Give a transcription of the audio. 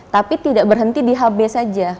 tapi tidak berhenti di hb saja